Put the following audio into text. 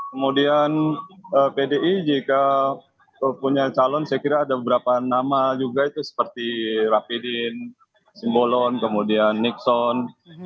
kemudian pdi jika punya calon saya kira ada beberapa nama juga itu seperti rapidin simbolon kemudian nixon